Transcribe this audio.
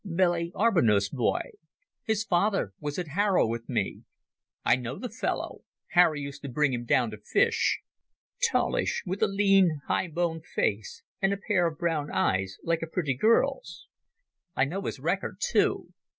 "Billy Arbuthnot's boy? His father was at Harrow with me. I know the fellow—Harry used to bring him down to fish—tallish, with a lean, high boned face and a pair of brown eyes like a pretty girl's. I know his record, too.